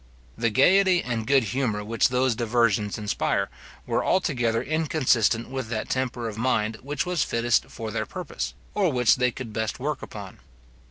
The gaiety and good humour which those diversions inspire, were altogether inconsistent with that temper of mind which was fittest for their purpose, or which they could best work upon.